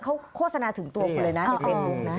เขาโฆษณาถึงตัวคุณเลยนะในเฟซบุ๊คนะ